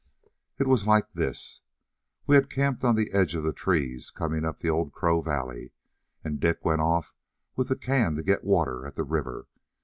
"It was like this: We had camped on the edge of the trees coming up the Old Crow Valley, and Dick went off with the can to get water at the river.